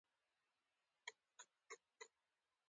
ایا زه باید په غرونو کې اوسم؟